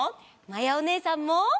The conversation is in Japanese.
まやおねえさんも！